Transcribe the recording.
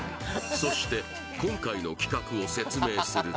そして今回の企画を説明すると